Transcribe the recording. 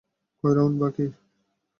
কয় রাউন্ড বাকি?